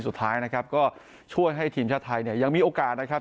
สุดท้ายนะครับก็ช่วยให้ทีมชาติไทยเนี่ยยังมีโอกาสนะครับ